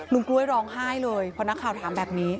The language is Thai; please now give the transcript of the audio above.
กล้วยร้องไห้เลยพอนักข่าวถามแบบนี้